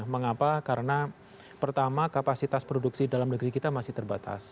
mengapa karena pertama kapasitas produksi dalam negeri kita masih terbatas